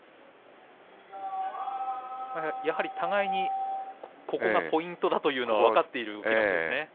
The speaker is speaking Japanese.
やはり互いにここがポイントだということが分かってるんですね。